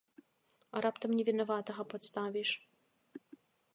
А раптам невінаватага падставіш?